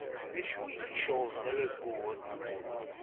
D acu i k-iceɣben ay ayyur.